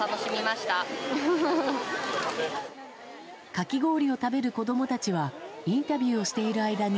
かき氷を食べる子供たちはインタビューをしている間に。